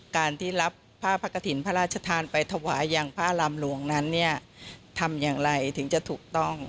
การที่รับผ้าพระกฐินพระราชทานไปถวายอย่างพระรามหลวงนั้นเนี่ยทำอย่างไรถึงจะถูกต้อง